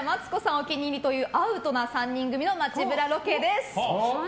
お気に入りというアウトな３人組の街ブラロケです。